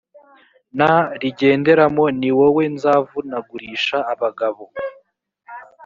n rigenderamo ni wowe nzavunagurisha abagabo